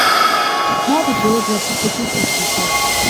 ما د پیرود رسید په جیب کې کېښود.